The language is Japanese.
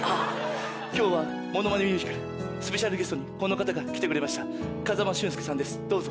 今日はものまねミュージカルスペシャルゲストにこの方が来てくれました風間俊介さんですどうぞ。